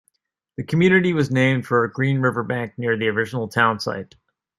The community was named for a green riverbank near the original town site.